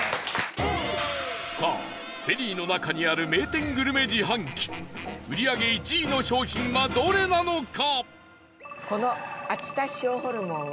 さあ、フェリーの中にある名店グルメ自販機売り上げ１位の商品はどれなのか？